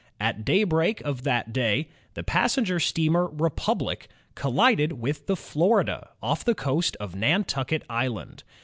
At daybreak of that day the passenger steamer Republic collided with the Florida, off the coast of Nan tucket Island.